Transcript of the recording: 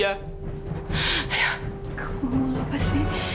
ya kamu apa sih